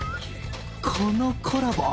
このコラボ！